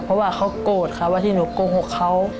เพราะว่าเขาโกรธค่ะว่าที่หนูโกหกเขา